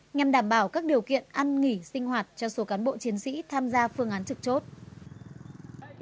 nhằm đảm bảo các điều kiện ăn nghỉ sinh hoạt cho số cán bộ chiến sĩ tham gia phương án trực chốt